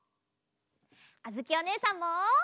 あづきおねえさんも！